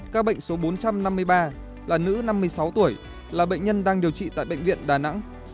các bệnh số bốn trăm năm mươi ba là nữ năm mươi sáu tuổi là bệnh nhân đang điều trị tại bệnh viện đà nẵng